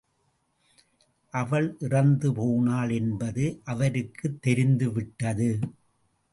அவள் இறந்துபோனாள் என்பது அவருக்குத் தெரிந்துவிட்டது.